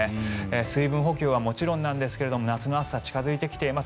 水分補給はもちろんなんですが夏の暑さ、近付いてきています。